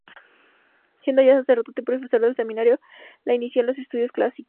Siendo ya sacerdote y profesor del Seminario, la inició en los estudios clásicos.